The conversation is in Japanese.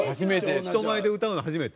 人前で歌うの初めて？